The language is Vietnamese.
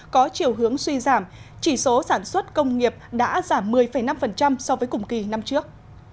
có chiều hướng suy giảm chỉ số sản xuất công nghiệp đã giảm một mươi năm so với cùng kỳ năm trước